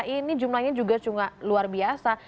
ini jumlahnya juga cuma luar biasa